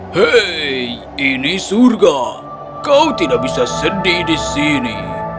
hei ini surga kau tidak bisa sedih di sini